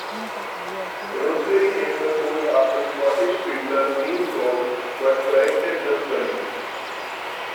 Rosebery named the colt after the Scottish fiddler Niel Gow but "corrected" the spelling.